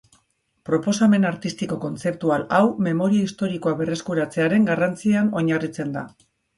Proposamen artistiko kontzeptual hau, memoria historikoa berreskuratzearen garrantzian oinarritzen da.